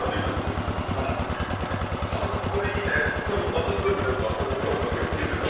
渡す時もやっぱ坂本さんもこうやって踏んでた？